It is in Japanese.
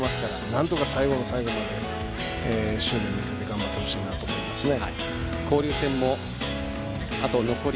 なんとか最後の最後まで執念を見せて頑張ってほしいなと思いますね。